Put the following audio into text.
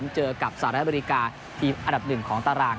เจอกับสหรัฐอเมริกาทีมอันดับ๑ของตาราง